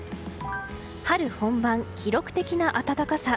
春本番、記録的な暖かさ。